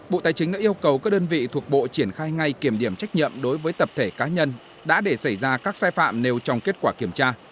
bộ tài chính đã yêu cầu các đơn vị thuộc bộ triển khai ngay kiểm điểm trách nhiệm đối với tập thể cá nhân đã để xảy ra các sai phạm nêu trong kết quả kiểm tra